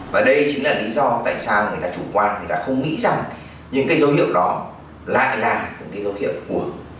và đây chính là lý do tại sao người ta chủ quan người ta không nghĩ rằng những cái dấu hiệu đó lại là những cái dấu hiệu của